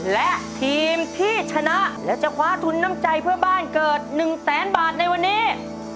และทีมที่ชนะและจะคว้าทุนน้ำใจเพื่อบ้านเกิด๑แสนบาทในวันนี้